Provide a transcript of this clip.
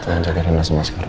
tolong jaga renas maskernya